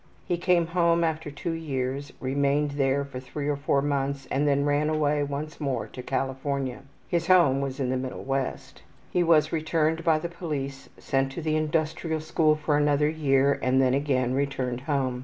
He came home after 2 years, remained there for 3 or 4 months and then ran away once more to California. (His home was in the middle West.) He was returned by the police, sent to the industrial school for another year, and then again returned home.